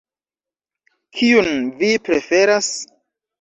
Kiun vi preferas?